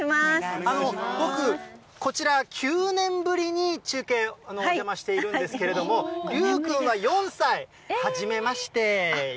僕、こちら、９年ぶりに中継、お邪魔しているんですけれども、りゅうくんは４歳、はじめまして。